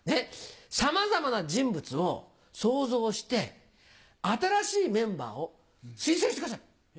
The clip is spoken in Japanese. さまざまな人物を想像して新しいメンバーを推薦してください。